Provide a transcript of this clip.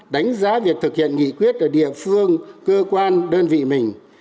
đánh giá việc thực hiện nghị quyết ở địa phương cơ quan đơn vị mình